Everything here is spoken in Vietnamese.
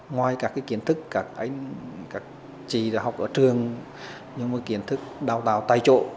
ngoài các kiến thức các chị học ở trường nhưng mà kiến thức đào tạo tay trộn